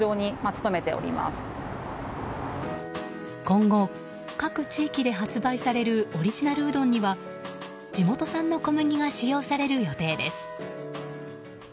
今後、各地域で発売されるオリジナルうどんには地元産の小麦が使用される予定です。